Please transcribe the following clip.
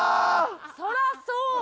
そらそう！